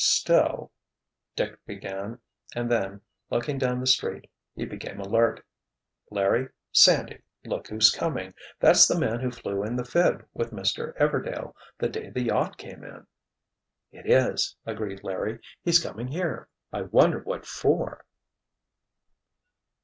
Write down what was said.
"Still—" Dick began, and then, looking down the street, he became alert. "Larry! Sandy! Look who's coming. That's the man who flew in the 'phib' with Mr. Everdail—the day the yacht came in!" "It is!" agreed Larry. "He's coming here. I wonder what for!"